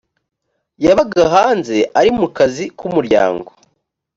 yabaga hanze ari mu kazi k umuryango